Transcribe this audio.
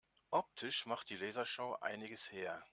Optisch macht die Lasershow einiges her.